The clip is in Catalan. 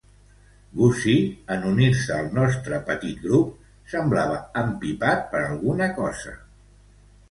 Gussie, en unir-se al nostre petit grup, semblava empipat per alguna cosa.